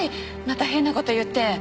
また変な事言って。